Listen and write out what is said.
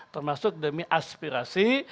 termasuk demi aspirasi